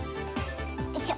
よいしょ。